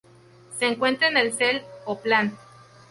Se encuentra en Sel, Oppland.